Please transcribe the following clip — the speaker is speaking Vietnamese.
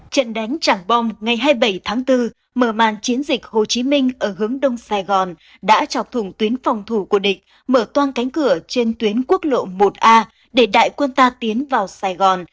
trận đánh chẳng bom ngày hai mươi bảy tháng bốn mở màn chiến dịch hồ chí minh ở hướng đông sài gòn đã trọc thủng tuyến phòng thủ của địch mở toan cánh cửa trên tuyến quốc lộ một a để đại quân ta tiến vào sài gòn